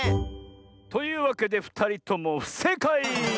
というわけでふたりともふせいかい！